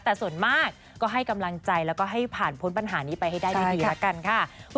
แต่ส่วนมากก็ให้กำลังใจแล้วก็ให้ผ่านพ้นปัญหานี้ไปให้ได้ดีแล้วกันค่ะ